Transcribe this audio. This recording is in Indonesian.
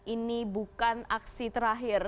ini bukan aksi terakhir